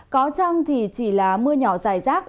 có trăng thì chỉ là mưa nhỏ dài rác